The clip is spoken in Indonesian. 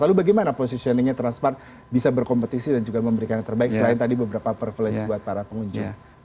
lalu bagaimana positioningnya transmart bisa berkompetisi dan juga memberikan yang terbaik selain tadi beberapa privilege buat para pengunjung